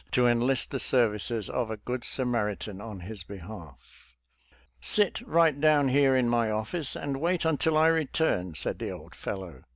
to enlist the services of a good Samaritan in his behalf. '* Sit right down here in my office and wait until I return," said the old fellow.